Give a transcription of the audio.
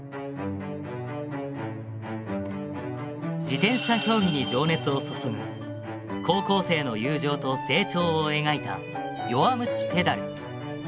自転車競技に情熱を注ぐ高校生の友情と成長を描いた「弱虫ペダル」。